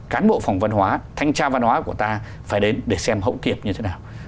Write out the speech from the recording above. cán bộ phòng văn hóa thanh tra văn hóa của ta phải đến để xem hậu kiệp như thế nào